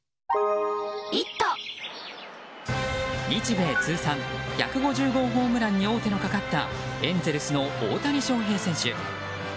日米通算１５０号ホームランに王手のかかったエンゼルスの大谷翔平選手。